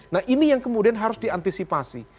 nah ini yang kemudian harus diantisipasi